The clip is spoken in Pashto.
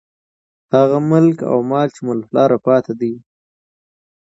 هغه ملک او مال، چې مو له پلاره پاتې دى.